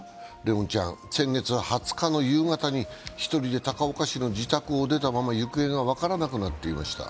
怜音ちゃん、先月２０日の夕方に１人で高岡市の自宅を出たまま行方が分からなくなっていました。